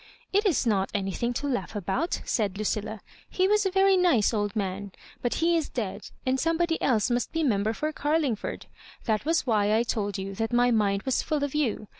" It is not anything to laugh about," said Lucilla. "He was a very nice old man ; but he is dead, and somebody e^e must be Member for Carlingford: that was why I told you that my mind was full of you.